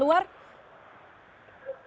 atau memang hanya di dalam komponen